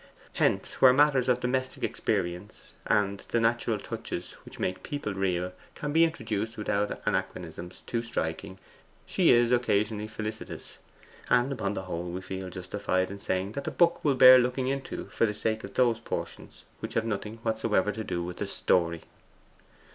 Hence, where matters of domestic experience, and the natural touches which make people real, can be introduced without anachronisms too striking, she is occasionally felicitous; and upon the whole we feel justified in saying that the book will bear looking into for the sake of those portions which have nothing whatever to do with the story."